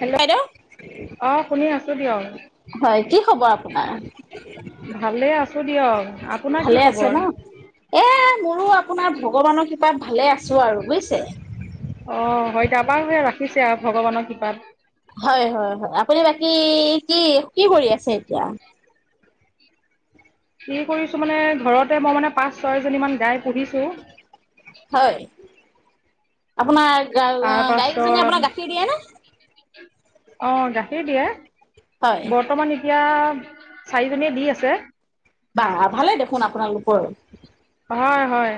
Hello, বাইদেউ অঁ শুনি আছোঁ দিয়ক। হয় কি খবৰ আপোনাৰ ভালে আছো দিয়ক। আপোনাৰ কি ভালে আছে খবৰ? ন এ মোৰো আপোনাৰ ভগৱানৰ কৃপাত ভালে - অঁ, হয়। তাৰপা ৰাখিছে আৰু ভগৱানৰ কৃপাত। হয়- হয় -হয় আপুনি বাকী কি কি কৰি আছে এতিয়া? কি কৰিছো মানে ঘৰতে মই মানে পাঁচ- ছয়জনীমান গাই পু়হিছো। হয়। আপোনাৰ গা তাৰ -গাইকেজনীয়ে আপোনাক গাখীৰ দিয়ে নে? অঁ, গাখীৰ দিয়ে। হয় বৰ্তমান - এতিয়া চাৰিজনীয়ে দি আছে। বাঃ ভালে দেখোন আপোনালোকৰ! হয়, হয়।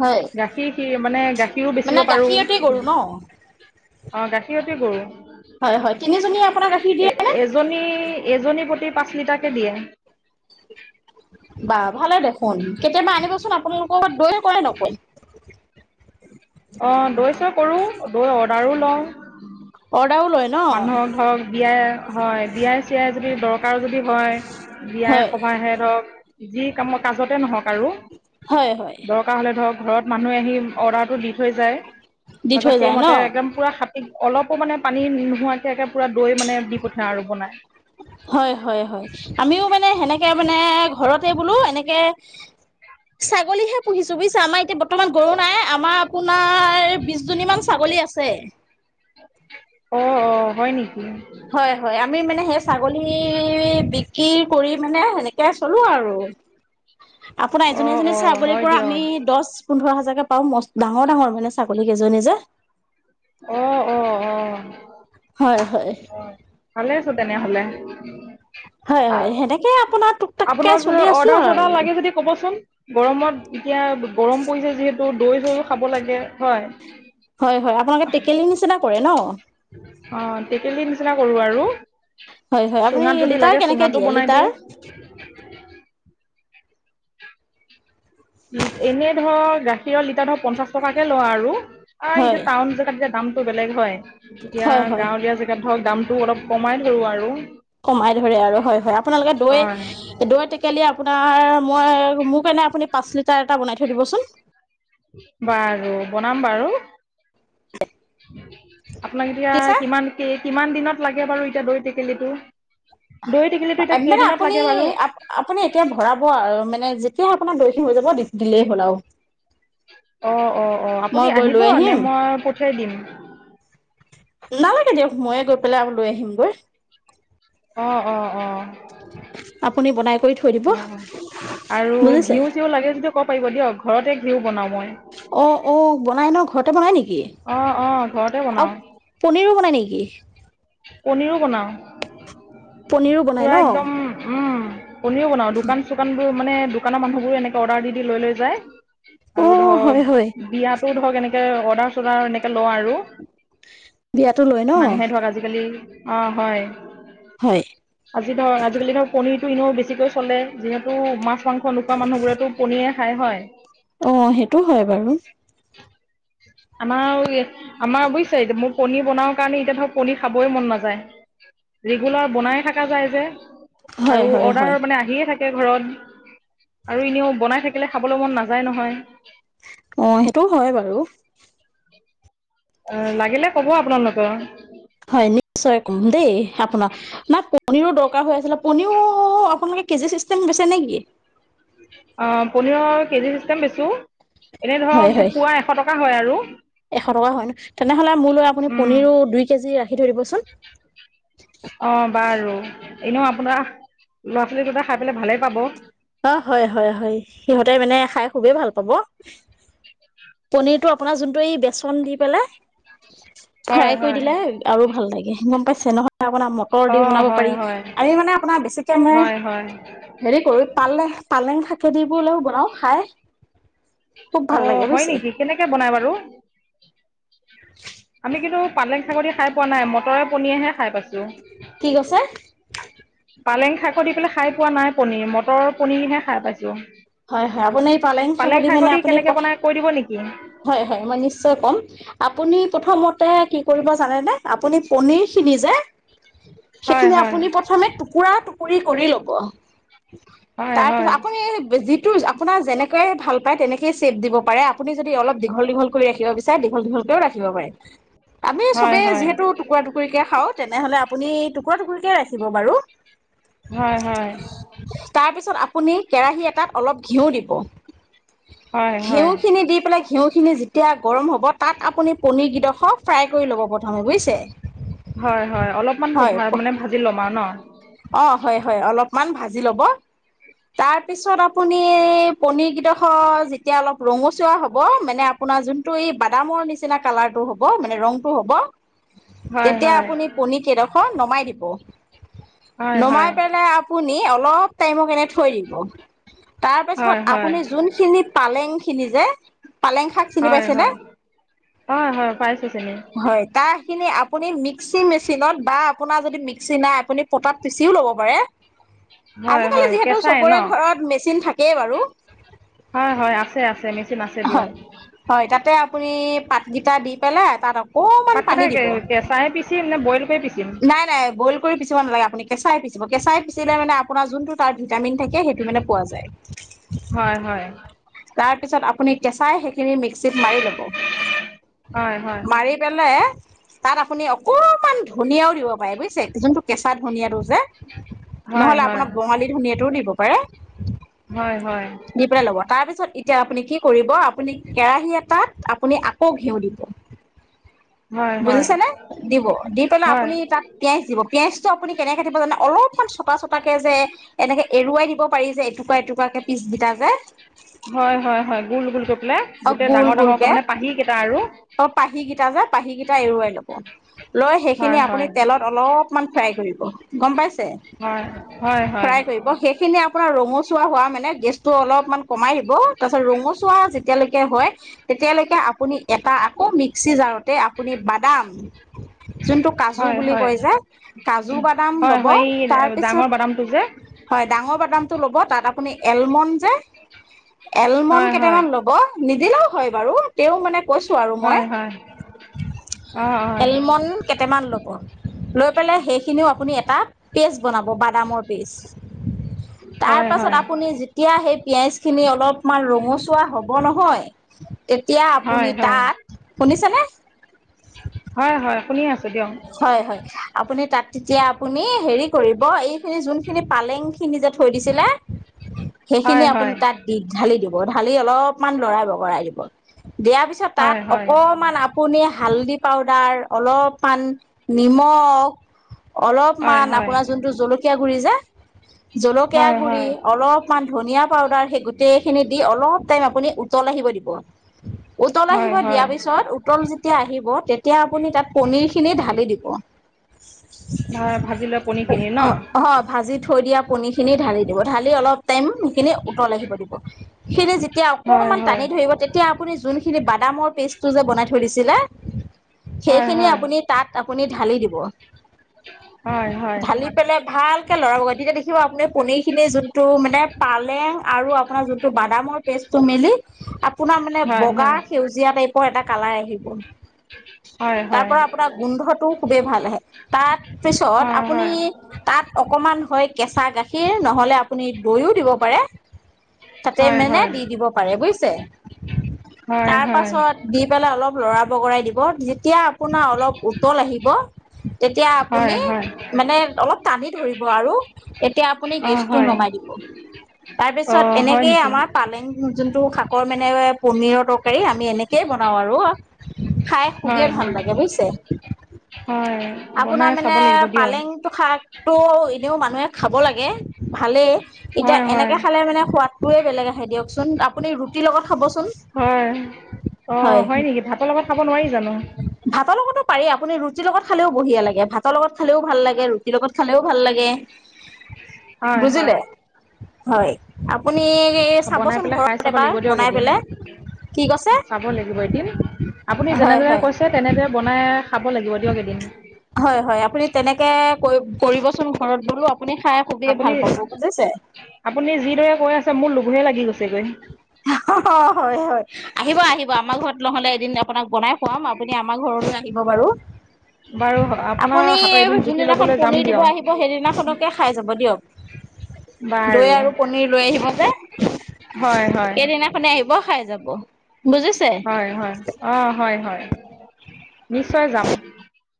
হয়। গাখীৰ খিৰ মানে গাখীৰও মানে বেচিব পাৰোঁ। গাখীৰতে গৰু ন অঁ, গাখীৰতী গৰু। হয়, হয় তিনিজনীয়ে আপোনাক গাখীৰ দিয়ে নে? এজনী এজনী প্ৰতি পাঁচ লিটাৰ কে দিয়ে। বাহঃ ভালে দেখোন, কেতিয়াবা আনিবচোন। আপোনালোকৰ ঘৰত দৈ কৰে নকয়? অঁ, দৈ -চৈ কৰো, দৈ অৰ্ডাৰো লওঁ। অৰ্ডাও লয়। ন মানুহক ধৰক বিয়াই হয়, বিয়াই- চিয়াই যদি দৰকাৰ যদি - হয়, হয় বিয়াই সভাহে ধৰক যি কামৰ কাজতে নহওঁক আৰু। হয়, হয়। দৰকাৰ হ'লে ধৰক ঘৰত মানুহে আহি অৰ্ডাৰটো দি থৈ যায়। তাৰ দি পিছত থৈ যায় সেইমতে ন একদম- পুৰা খাতি অলপো মানে পানী নোহোৱাকে পুৰা দৈ মানে দি পঠিয়া আৰু বনাই। হয়, হয়, হয়। আমিও মানে সেনেকে মানে ঘৰতে বোলো এনেকে- ছাগলীহে পুহিছো বুজিছা, আমাৰ এতিয়া বৰ্তমান গৰু নাই। আমাৰ আপোনাৰ- আমাৰ বিশজনী মান ছাগলী আছে। অঁ, অঁ, হয় নেকি? হয়, হয়, আমি মানে সেই ছাগলী বিক্ৰী কৰি মানে সেনেকে চলো আৰু। [inaudible] আপোনাৰ এজনী অ এজনী ছাগলীৰ হয় পৰা আমি দিয়ক দহ- পোন্ধৰ হাজাৰকে পাওঁ, মষ্ট ডাঙৰ ডাঙৰ মানে ছাগলী কেইজনী যে। অঁ, অঁ, অঁ। হয়, হয়। অঁ, ভালে আছো তেনে হ'লে। হয়, হয়। সেনেকে আপোনাক- আপোনাৰ অৰ্ডাৰ- চৰ্ডাৰ লাগে যদি কবচোন গৰমত এতিয়া গৰম পৰিছে যিহেতু। ত' দৈ চৈও খাব লাগে হয়। হয়, হয় আপোনালোকে টেকেলি নিচিনা কৰে ন? অ' টেকেলি নিচিনা কৰো আৰু হয় হয় আপুনি চুঙাত যদি লিটাৰ লাগে কেনেকে চুঙাতো দিয়ে বনাই লিটাৰ দিওঁ। এনেই ধৰ গাখীৰৰ লিটাৰ ধৰ পঞ্চাশ টকাকে লওঁ আৰু এতিয়া হয়। টাউন জেগাত [unintelligible] দামটো বেলেগ হয় এতিয়া হয় হয় গাঁৱলীয়া জেগাত ধৰক দামটো অলপ কমাই ধৰোঁ আৰু। কমাই ধৰে আৰু হয়, হয় আপোনালোকে দৈ হয় দৈ টেকেলি আপোনাৰ মই মোক নে আপুনি পাঁচ লিটাৰ এটা বনাই থৈ দিবচোন। বাৰু বনাম বাৰু। আপোনাক এতিয়া কেঁচা কিমান কে কিমান দিনত লাগে বাৰু এতিয়া দৈ টেকেলিটো? দৈ টেকেলিটো এতিয়া মানে কেইদিনত আপুনি লাগে বাৰু? আপুনি এতিয়া ভৰাব আৰু মানে যেতিয়া আপোনাৰ দৈ খিণি হৈ যাব দিলেই হ'ল আউ। অ অ অ আপুনি গৈ আহিব লৈ নে আহিম মই পঠিয়াই দিম? নালাগে দিয়ক ময়ে গৈ পেলাই আউ লৈ আহিমগৈ। অ অ অ। আপুনি বনাই কৰি থৈ দিব হয়, হয় আৰু বুজিছে ঘিউ -চিউ লাগে যদি [unintelligible] পাৰিব দিয়ক ঘৰতে ঘিউ বনাওঁ মই। অঁ অঁ বনাই ন ঘৰতে বনায় নেকি? অ অ ঘৰতে আৰু বনাও। পনীৰো বনাই নেকি? পনীৰো বনাও পনীৰো বনাই ন পুৱা একদম উম পনীৰো বনাব দোকান চোকানবোৰ মানে দোকানৰ মানুহবোৰ এনেকে অৰ্ডাৰ দি দি লৈ লৈ যায়। অ আৰু হয় হয় ধৰক বিয়াতো ধৰক এনেকে অৰ্ডাৰ চৰ্ডাৰ এনেকে লওঁ আৰু। বিয়াটো লয় ন মানুহে ধৰক আজিকালি অ' হয়। হয় আজি ধৰ আজিকালি ধৰ পনিৰতটো ইনেও বেছিকৈ চলে যিহেতু মাছ মাংস নোখোৱা মানুহবোৰেতো পনিয়ে খায় হয়। অ' হেইটো হয় বাৰু। আমাৰ [unintelligible] আমাৰ বুইচে [unintelligible] মোৰ পনীৰ বনওঁ কাৰণে এতিয়া ধৰক পনী খাবই মন নাযায়। ৰেগুলাৰ বনাইে থাকা যায় যে হয় আৰু হয় হয় অৰ্ডাৰ মানে আহিয়ে থাকে। কে ঘৰত আৰু এনেও বনাই থাকিলে খাবলে মন নাযায় নহয়। অ' সেইটোও হয় বাৰু। [inaudible] অ' লাগিলে ক'ব আপোনালোকৰ। হয়, নিশ্চয় কম দেই আপোনাক। নাই পনীৰো দৰকাৰ হৈ আছিলে। পনীৰো আপোনালোকে কেজি চিষ্টেম বেছে নেকি? অ' পনীৰৰ কেজি চিষ্টেম বেছোঁ। এনে হয় ধৰক হয় পোৱা এশ টকা হয় আৰু। এশ টকা হয় ন তেনে হ'লে মোৰলৈ আপুনি উম। পনীৰো দুই কেজি ৰাখি থৈ দিবচোন। অ' বাৰু এনেও আপোনা ল'ৰা ছোৱালী দুটাই খাই পেলাই ভালেই পাব। অ' হয়, হয়, হয় সিহঁতে মানে খাই খুবেই ভাল পাব। পনিৰটো আপোনাৰ যোনটো এই বেচন দি পেলাই হয় ফ্ৰাই কৰি হয় দিলে আৰু ভাল লাগে গ'ম পাইছে নহয় আপোনাৰ মটৰ দি অ' বনাব হয় পাৰি হয় আমি মানে আপোনাৰ বেছিকে মানে হয় হয় হেৰি কৰোঁ পালে পালেং শাকে দি বলেও বনাও খাই। খুব ভাল অ' লাগে হয় বুজিছে নেকি কেনেকে বনাই বাৰু, আমি কিন্তু পালেং শাকে দি খাই পোৱা নাই মটৰে পনীয়েহে খাই পাইছোঁ। [unintelligible] কি কৈছে আ পালেং শাকৰ দি পেলাই খাই পোৱা নাই পনিৰ মটৰ পনিৰহে খাই পাইছোঁ। হয়, হয় আপুনি এই পালেং শাক দি মানে শাকদি আপুনি প কেনেকৈ বনাই কৈ দিব নেকি হয়, হয় মই নিশ্চয় ক'ম। আপুনি প্ৰথমতে কি কৰিব জানেনে আপুনি পনিৰ খিনি যে হয় সেইখিনি হয় আপুনি প্ৰথমে টুকুৰা টুকুৰি কৰি ল'ব, হয় তাৰপিছত হয় আকৌ এই যিটো আপোনাৰ যেনেকে ভাল পায় তেনেকে ছেভ দিব পাৰে। আপুনি যদি অলপ দীঘল দীঘল কৰি ৰাখিব বিচাৰে দীঘল দীঘলকেও ৰাখিব পাৰে। আমি হয় চবে হয় যিহেতু টুকুৰা টুকুৰিকে খাওঁ তেনে হ'লে আপুনি টুকুৰা টুকুৰিকে ৰাখিব বাৰু। হয়, হয়। তাৰপিছত, আপুনি কেৰাহী এটাত অলপ ঘিউ দিব হয় ঘিউ হয় খিনি দি পেলাই ঘিউখিনি যেতিয়া গৰম হ'ব, তাত আপুনি পনীৰ কেইডোখৰ ফ্ৰাই কৰি ল'ব প্ৰথমে বুজিছে। হয়, হয় অলপমান হয় ভা মানে ভাজি ল'ম আৰু ন। অ' হয়, হয় অলপমান ভাজি ল'ব তাৰপিছত আপুনি পনিৰ কেইডখৰ যেতিয়া অলপ ৰঙচুৱা হ'ব মানে আপোনাৰ যোনটো এই বাদামৰ নিচিনা কালাৰটো হ'ব মানে ৰংটো হ'ব হয় তেতিয়া হয় আপুনি পনি কেইডোখৰ নমাই দিব। হয় হয় নমাই পেলাই আপুনি অলপ টাইমৰ কাৰণে থৈ দিব। হয় তাৰপাছত হয় আপুনি যোনখিনি পালেং খিনি যে পালেং শাক চিনি পাইছেনে অ' হয় পাইছোঁ চিনি। হয় তাৰ খিনি আপুনি মিক্সি মেচিনত বা আপোনাৰ যদি মিক্সি নাই আপুনি পতাত পিচিও ল'ব পাৰে। হয় আজিকালি হয় যিহেতু কেঁচাই ন চবৰে ঘৰত মেচিন থাকেই বাৰু। হয় হয় আছে আছে মেচিন আছে হয় দিয়ক হয় তাতে আপুনি পাতকেইটা দি পেলাই তাত অকমান পাতকেইটা পানী এ দিব কেঁচাই পিচিম নে বইল কৰি পিচিম নাই নাই বইল কৰি পিচিব নালাগে আপুনি কেঁচাই পিচিব কেচাই পিচিলে মানে আপোনাৰ যোনটো তাৰ ভিটামিন থাকে সেইটো মানে পোৱা যায় হয় হয় তাৰপিছত আপুনি কেঁচাই সেইখিনি মিক্সিত মাৰি ল'ব হয় হয় মাৰি পেলাই তাত আপুনি অকমান ধুনীয়াও দিব পাৰে বুজিছে যোনটো কেঁচা ধুনিয়াটো যে, হয় নহ'লে হয় আপোনাৰ বঙালী ধুনিয়াটোও দিব পাৰে। হয়, হয়। দি পেলাই ল'ব, তাৰপিছত এতিয়া আপুনি কি কৰিব, আপুনি কেৰাহী এটাত আপুনি আকৌ ঘিউ দিব। [inaudible] হয় বুজিছে নে দিব দি পেলাই হয় আপুনি তাত পিয়াঁজ দিব, পিঁয়াজটো আপুনি কেনেকে কাটিব জানে, অলপমান ছটা ছটাকে যে এনেকে এৰুৱাই দিব। পাৰি যে এটুকুৰা, এটুকুৰাকে পিছ কেইটা যে। হয়, হয়, হয়, গোল-গোল কৰি পেলাই, অ গোটেই গোল ডাঙৰ-ডাঙৰকে গোলকে মানে পাহী কেইটা আৰু। অ পাহি কেইটা যে, পাহী কেইটা এৰুৱাই ল'ব। লৈ সেইখিনি হয় হয় আপুনি তেলত অলপমান ফ্ৰাই কৰিব, গম পাইছে হয়, হয়, হয়। খিনি আপোনাৰ ৰঙচুৱা হোৱা মানে গেছটো অলপ মান কমাই দিব, তাৰ পিছত ৰঙচুৱা যেতিয়ালৈকে হয়। তেতিয়ালৈকে আপুনি এটা আকৌ মিক্সি জাৰতে আপুনি বাদাম যোনটো কাজু হয় বুলি হয় কয় যে, কাজু বাদাম ল'ব, তাৰপিছত কি কৈছে? হয়, ডাঙৰ বাদামটো ল'ব তাত আপুনি এলমণ যে এলমণ হয় হয় কেইটামান ল'ব- নিদিলেও হয় বাৰু। তেওঁ মানে কৈছো আৰু মই, হয় হয় অ অ এলমণ- কেইটামান ল'ব, লৈ পেলাই সেইখিনিও আপুনি এটা পেষ্ট বনাব বাদামৰ পেষ্ট। হয় হয় তাৰপাছত আপুনি যেতিয়া সেই পিঁয়াজখিনি ৰঙচুৱা হ'ব নহয়- তেতিয়া হয় আপুনি হয় তাত, শুনিছেনে? হয় হয়, শুনি আছো দিয়ক। হয়, হয়, আপুনি তাত তেতিয়া আপুনি হেৰি কৰিব এইখিনি যোনখিনি পালেং খিনি যে থৈ দিছিলে- হয় সেইখিনিয়ে আপোনি হয় তাত- বিষ ঢালি দিব, ঢালি অলপমান লৰাই বগৰাই দিব, দিয়াৰ পিছত তাত হয় হয় অকমান আপ- পুনি হালধি পাউদাৰ, অলপমান নিমখ, - হয় অলপমান হয় আপোনাৰ যোনটো জলকীয়া গুৰি যে জলকীয়া হয় গুৰি, হয় অলপ- মান ধনিয়া পাউডাৰ সেই গোটেই খিনি দি অলপ টাইম আপুনি উতল আহিব দিব। উতল হয় আহিব দিয়াৰ হয় পিছত, উতল যেতিয়া আহিব, তেতিয়া আপুনি তাত পনিৰ খিনি ঢ়াল- লি দিব। হয়, ভাজি লোৱা পনীৰ খিনি ন? অ হয় ভাজি থৈ দিয়া পণীখিনি ঢালি দিব, ঢালি অলপ- টাইম সেইখিনি উতল আহিব দিব, সেইখিনি যেতিয়া হয় অকমান হয় টানি ধৰিব- তেতিয়া আপুনি যোনখিনি বাদামৰ পেষ্টটো যে বনাই থৈ দিছিলে, হয় সেইখিনি হয় আপুনি- তাত আপুনি ঢালি দিব। হয় হয় ঢালি পেলাই ভাল- কে লৰাবগৈ তেতিয়া দেখিব আপুনি পনীৰখিনি যোনটো মানে পালেং আৰু আপোনাৰ যোনটো বাদামৰ- পেষ্টটো মিলি আপোনাৰ মানে হয় বগা সেউজীয়া টাইপৰ এটা কালাৰ আহিব। হয় তাৰ হয়। পৰা আপোনাৰ গোন্ধটো খুবেই ভাল আহে, তাত পিছত হয় হয় আপুনি তাত- অকমান হয় কেঁচা গাখীৰ নহ'লে আপুনি দৈও দিব পাৰে। তাতে হয় মেনে হয় দি দিব পাৰে বুজিছে। হয় হয় তাৰপাছত- দি পেলাই অলপ লৰা বগৰাই দিব। যেতিয়া আপোনা- উতল আহিব, তেতিয়া হয় হয় আপুনি হয় মানে অলপ টানি ধৰিব আৰু- এতিয়া আপুনি অ গেছটো হয় নমাই দিব। অ তাৰপিছত হয় এনেকেই নেকি আমাৰ পালেং- যোনটো শাকৰ মানে পনীৰৰ তৰকাৰী আমি এনেকেই বনাও আৰু। খাই হয় খুবেই ভাল হয় লাগে বুজিছে। হয়। আপোনাৰ বনাই মানে চাব লাগিব দিয়ক পালেংটো শাকটো এনেও মানুহে খাব লাগে। ভালেই, এতিয়া হয় হয় এনেকে খালে মেনে সোৱাদটোৱে বেলেগ আহে দিয়কচোন। আপুনি ৰুটিৰ লগত খাবচোন। হয়, অ হয় নেকি? ভাতৰ লগত খাব নোৱাৰি জানো? ভাতৰ লগতো পাৰি। আপুনি ৰুটিৰ লগত খালেও বঢ়িয়া লাগে, ভাত- তৰ লগত খালেও ভাল লাগে, ৰুটিৰ লগত খালেও ভাল লাগে। হয় হয় বুজিলে? হয়, আপুনি- অ বনাই চাবচোন পেলাই খাই ঘৰত চাব এবাৰ লাগিব দিয়ক বনাই এদিন, পেলাই কি কৈছে চাব লাগিব এদিন। আপুনি হয় যেনেদৰে হয় কৈছে তেনেদৰে বনাই খাব লাগিব দিয়ক এদিন। হয়, হয়। আপুনি তেনেকে কৰিব কৰিবচোন। ঘৰত বোলো আপুনি খাই খুবেই আপুনি ভাল পাব বুজিছে। আপুনি যিদৰে কৈ আছে মোৰ লোভে লাগি গৈছেগৈ। হয় হয়, আহিব আহিব আমাৰ ঘৰত নহ'লে এদিন আপোনাক বনাই খোৱাম, আপুনি আমাক- ঘৰলৈ আহিব বাৰু। বাৰু আপোনাৰ আপুনি হাতৰ এদিন জুতি যোনদিনাখন ল'বলৈ যাম পনীৰ দিব দিয়ক আহিব সেইদিনাখনকে খায় যাব দিয়ক। বাৰু দৈ আৰু পনীৰ লৈ আহিব যে। হয়। হয় সেইদিনাখনে আহিব, খাই যাব। বুজিছে। হয়, হয়, অ', হয়, হয়, নিশ্চয় যাম।